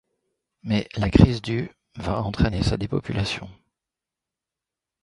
Mais la crise du va entraîner sa dépopulation.